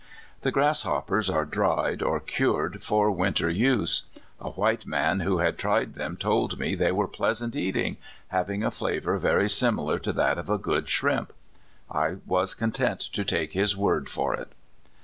The grasshoppers are dried, or cured, for winter use. A white man who had tried them THE DIGGERS. 139 told me they were pleasant eating, having a flavor very similar to that of a good shrimp. (1 was con tent to take his word for it.